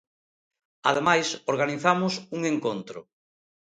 Ademais, organizamos un encontro.